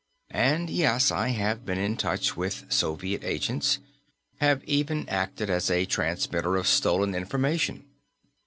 And yes, I have been in touch with Soviet agents have even acted as a transmitter of stolen information.